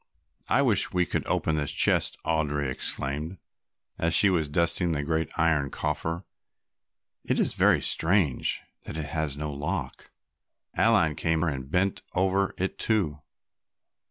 "I wish we could open this chest," Audry exclaimed, as she was dusting the great iron coffer. "It is very strange that it has no lock." Aline came and bent over it too.